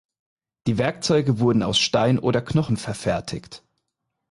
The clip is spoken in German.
Die Werkzeuge wurden aus Stein oder Knochen verfertigt.